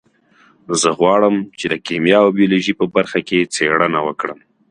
زه غواړم چې د کیمیا او بیولوژي په برخه کې څیړنه وکړم